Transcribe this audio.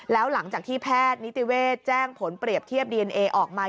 แล้วหลังจากที่แพทย์นิติเวศแจ้งผลเปรียบเทียบดีเอนเอออกมา